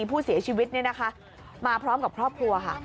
ผู้เสียชีวิตเนี่ยนะคะมาพร้อมกับครอบครัวค่ะ